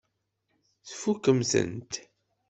Tfukkem-tent?